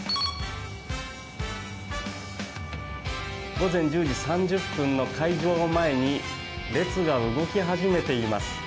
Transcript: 午前１０時３０分の開場を前に列が動き始めています。